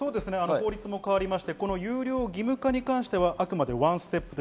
法律も変わって、有料義務化に関してはあくまでワンステップです。